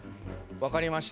分かりました